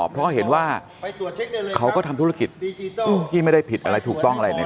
เพราะเห็นว่าเขาก็ทำธุรกิจที่ไม่ได้ผิดอะไรถูกต้องอะไรเนี่ย